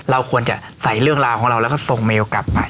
เราควรจะใส่เรื่องราวของเราแล้วก็ส่งเมลกลับไป